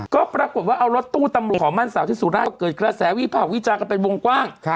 ก็ปรากฏว่าเอารถตู้ตำรวจขอมั่นสาวที่สุราชเกิดกระแสวิภาควิจารณ์เป็นวงกว้าง